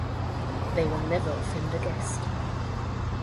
They will never offend a guest.